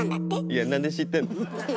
いやなんで知ってんの？